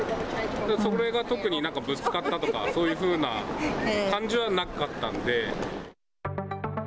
それが特になんかぶつかったとか、そういうふうな感じはなかったんで。